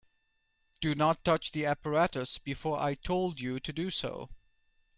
Do not touch the apparatus before I told you to do so.